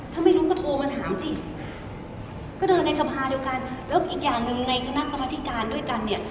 ถ้าไม่รู้ก็โทรมาถามสิก็เดินในสภาเดียวกันแล้วอีกอย่างหนึ่งในคณะกรรมธิการด้วยกันเนี่ย